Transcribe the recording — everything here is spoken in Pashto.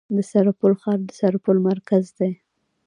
د سرپل ښار د سرپل مرکز دی